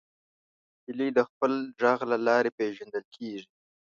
هیلۍ د خپل غږ له لارې پیژندل کېږي